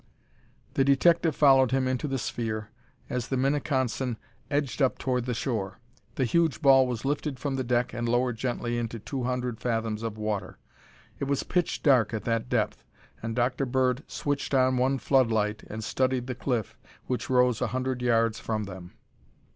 The detective followed him into the sphere as the Minneconsin edged up toward the shore. The huge ball was lifted from the deck and lowered gently into two hundred fathoms of water. It was pitch dark at that depth, and Dr. Bird switched on one floodlight and studied the cliff which rose a hundred yards from them.